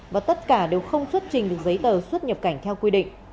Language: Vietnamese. và tất cả đều không xuất trình được giấy tờ xuất nhập cảnh theo quy định